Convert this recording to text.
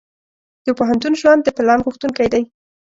د پوهنتون ژوند د پلان غوښتونکی دی.